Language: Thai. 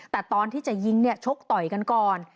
แต่ตอนที่จะยิงเนี่ยชกต่อยกันก่อน